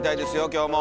今日も！